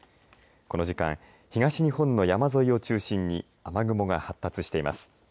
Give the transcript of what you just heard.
この時間東日本の山沿いを中心に雨雲が発達しています。